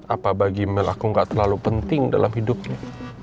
apa bagi mel aku gak terlalu penting dalam hidupnya